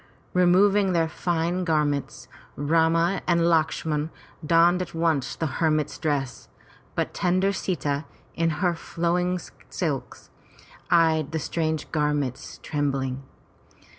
Removing their fine garments, Rama and Lakshman donned at once the her mit's dress, but tender Sita in her flowing silks, eyed the strange gar ment trembling.